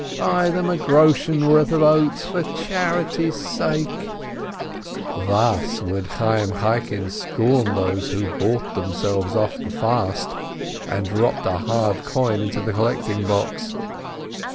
Buy them a groschen worth of oats, for charity's sake ! Thus would Chayyim Chaikin scorn those who bought themselves off the fast, and dropped a hard coin into the collecting box.